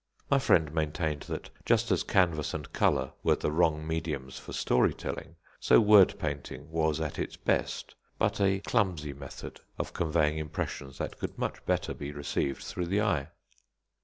My friend maintained that just as canvas and colour were the wrong mediums for story telling, so word painting was, at its best, but a clumsy method of conveying impressions that could much better be received through the eye.